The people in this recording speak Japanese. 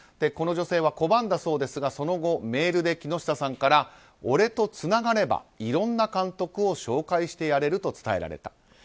この女性は拒んだそうですがその後、メールで木下さんから俺とつながればいろんな監督を紹介してやれると伝えられた。